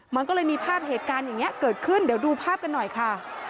มันก็เลยมีภาพเหตุการณ์อย่างนี้เกิดขึ้นเดี๋ยวดูภาพกันหน่อยค่ะ